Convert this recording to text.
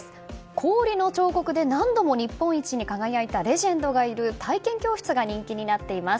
氷の彫刻で何度も日本一に輝いたレジェンドがいる体験教室が人気になっています。